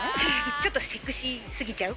ちょっとセクシーすぎちゃう。